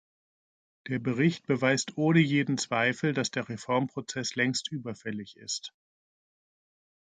Der Bericht beweist ohne jeden Zweifel, dass der Reformprozess längst überfällig ist.